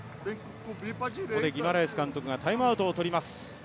ここでギマラエス監督がタイムアウトを取ります。